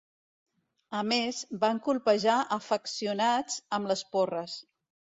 A més, van colpejar afeccionats amb les porres.